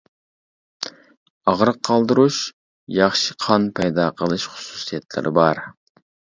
ئاغرىق قالدۇرۇش، ياخشى قان پەيدا قىلىش خۇسۇسىيەتلىرى بار.